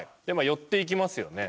寄っていきますよね。